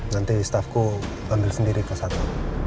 nanti staffku ambil sendiri ke satu